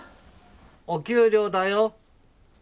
お給料だよ。